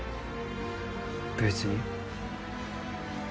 別に。